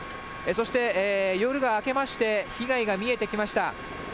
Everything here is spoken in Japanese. そして夜が明けまして、被害が見えてきました。